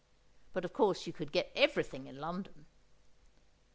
But, of course, you could get everything in London.